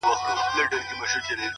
• ډېـــره شناخته مي په وجود كي ده ـ